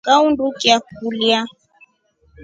Ngandukia kulya.